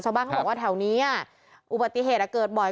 ชาวบ้านเขาบอกว่าแถวนี้อุบัติเหตุเกิดบ่อย